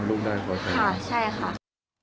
อืม